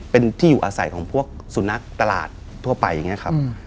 เป็นที่อยู่อาศัยของพวกสุนัขตลาดทั่วไปอย่างนี้ครับ